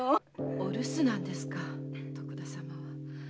お留守なんですか徳田様は。